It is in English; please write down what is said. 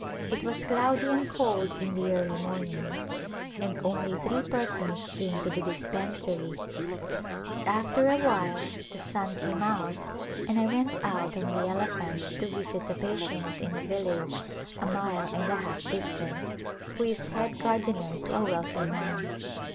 It was cloudy and cold in the early morning and only three persons came to the dispensary but after a while [ 297] A Glimpse of India the sun caine out and I went out on the elephant to visit a patient in a village a mile and a half distant, who is head gardener to a wealthy man.